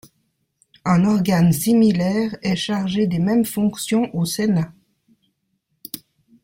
Un organe similaire est chargé des mêmes fonctions au Sénat.